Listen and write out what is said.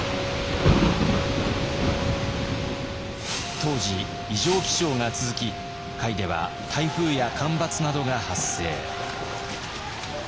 当時異常気象が続き甲斐では台風や干ばつなどが発生。